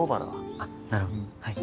あっなるほどはい。